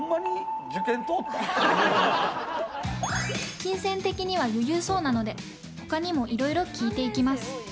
金銭的には余裕そうなので他にもいろいろ聞いていきます。